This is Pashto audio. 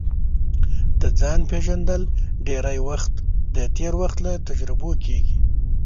د ځان پېژندل ډېری وخت د تېر وخت له تجربو کیږي